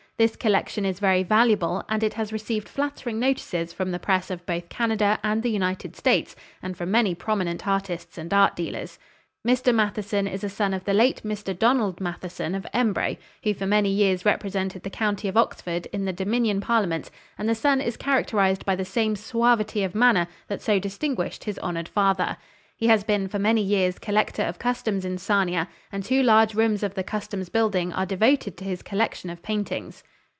This collection is very valuable, and it has received flattering notices from the press of both Canada and the United States, and from many prominent artists and art dealers. Mr. Matheson is a son of the late Mr. Donald Matheson, of Embro, who for many years represented the County of Oxford in the Dominion Parliament, and the son is characterized by the same suavity of manner that so distinguished his honored father. He has been for many years collector of customs in Sarnia, and two large rooms of the customs building are devoted to his collection of paintings.